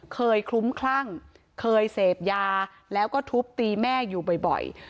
คลุ้มคลั่งเคยเสพยาแล้วก็ทุบตีแม่อยู่บ่อย